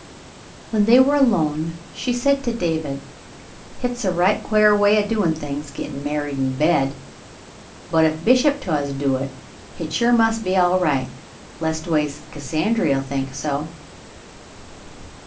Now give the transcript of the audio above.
When they were alone she said to David: "Hit's a right quare way o' doin' things — gitt'n married in bed, but if Bishop Towahs do hit, hit sure must be all right — leastways Cassandry'll think so."